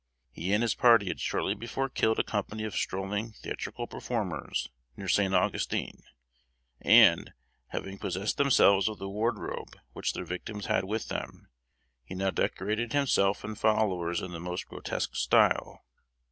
He and his party had shortly before killed a company of strolling theatrical performers, near St. Augustine, and, having possessed themselves of the wardrobe which their victims had with them, he now decorated himself and followers in the most grotesque style.